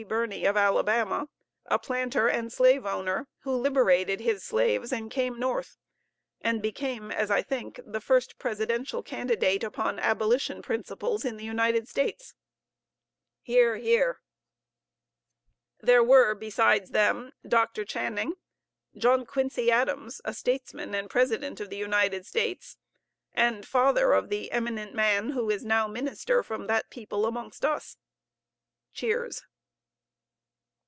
Birney of Alabama, a planter and slave owner, who liberated his slaves and came north, and became, as I think, the first presidential candidate upon abolition principles in the United States. (Hear, hear.) There were besides them, Dr. Channing, John Quincy Adams, a statesman and President of the United States, and father of the eminent man who is now Minister from that people amongst us. (Cheers.)